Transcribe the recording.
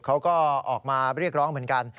เขาก็ออกมาเรียกร้องเหมือนกัน